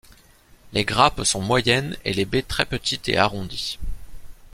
Les grappes sont moyennes et les baies très petites et arrondies.